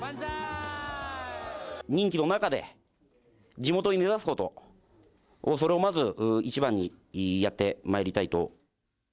任期の中で、地元に根差すこと、それをまず一番にやってまいりたいと。